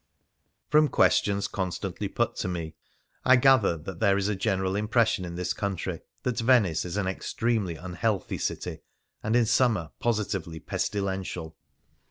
From (juestions constantly put to me, I gather that there is a general impression in this country that Venice is an extremely unhealthy city, and in summer positively pestilential.